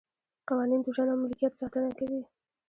قوانین د ژوند او ملکیت ساتنه کوي.